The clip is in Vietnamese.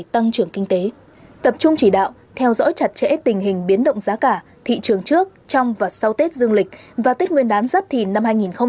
tập trung chỉ đạo theo dõi chặt chẽ tình hình biến động giá cả thị trường trước trong và sau tết dương lịch và tết nguyên đán giáp thìn năm hai nghìn hai mươi bốn